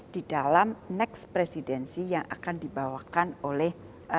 di dalam next presidensi yang akan dibawakan oleh